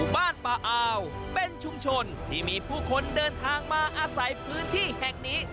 บ้านป่าอาวเป็นชุมชนที่มีผู้คนเดินทางมาอาศัยพื้นที่แห่งนี้